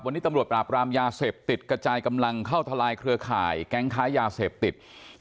วันนี้ตำรวจปราบรามยาเสพติดกระจายกำลังเข้าทลายเครือข่ายแก๊งค้ายาเสพติด